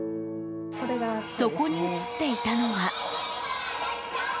そこに映っていたのは。